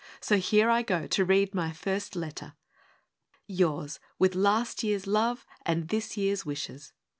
So here I go to read my first letter! Yours, with last year's love and this year's wishes!